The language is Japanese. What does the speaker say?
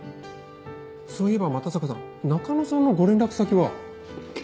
そういえば又坂さん中野さんのご連絡先は？